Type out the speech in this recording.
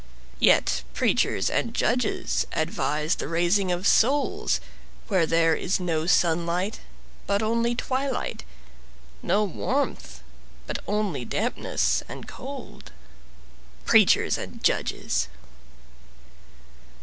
Yet preachers and judges advise the raising of souls Where there is no sunlight, but only twilight, No warmth, but only dampness and cold— Preachers and judges!